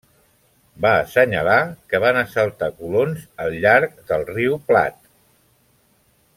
Va assenyalar que van assaltar colons al llarg del riu Platte.